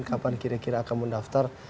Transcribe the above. kapan kira kira akan mendaftar